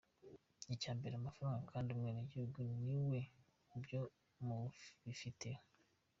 icyambere namafranga kd umwenegihugu niwe f ibyomubireke.